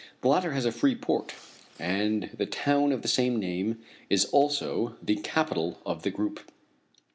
The latter has a free port, and the town of the same name is also the capital of the group.